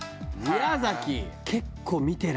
宮崎！